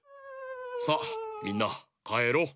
さあみんなかえろう。